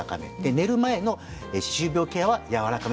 寝る前の歯周病ケアはやわらかめ。